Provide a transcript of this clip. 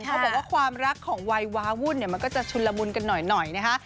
เขาบอกว่าความรักของวัยวาวุ่นเนี่ยมันก็จะชุนละมุนกันหน่อยนะคะ